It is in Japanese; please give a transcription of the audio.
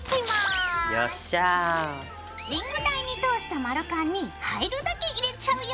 リング台に通した丸カンに入るだけ入れちゃうよ。